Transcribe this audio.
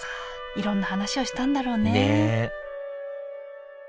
いろんな話をしたんだろうねねえ